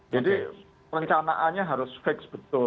jadi rencanaannya harus fix betul